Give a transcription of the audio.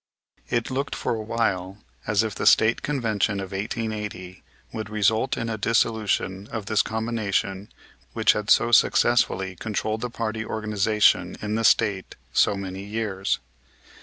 It looked for a while as if the State Convention of 1880 would result in a dissolution of this combination which had so successfully controlled the party organization in the State so many years.